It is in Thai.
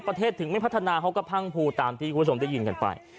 ถึงไม่พัฒนาเขาก็พังภูตามที่คุณผู้ชมได้ยินกันไป